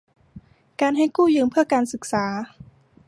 การให้กู้ยืมเพื่อการศึกษา